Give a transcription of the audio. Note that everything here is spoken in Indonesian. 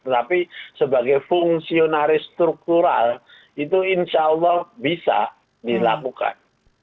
tetapi sebagai fungsionaris struktural itu insya allah bisa dilakukan